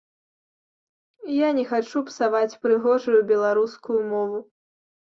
Я не хачу псаваць прыгожую беларускую мову.